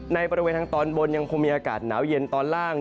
บริเวณทางตอนบนยังคงมีอากาศหนาวเย็นตอนล่าง